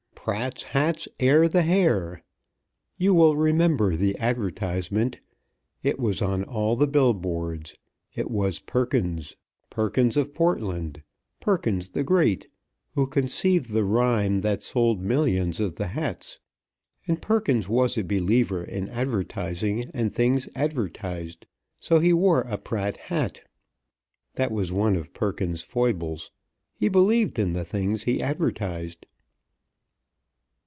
"Pratt's Hats Air the Hair." You will remember the advertisement. It was on all the bill boards. It was Perkins, Perkins of Portland, Perkins the Great, who conceived the rhyme that sold millions of the hats; and Perkins was a believer in advertising and things advertised. So he wore a Pratt hat. That was one of Perkins's foibles. He believed in the things he advertised.